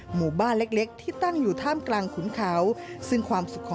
หมู่บ้านเล็กที่ตั้งอยู่ท่ามกลางขุนเขา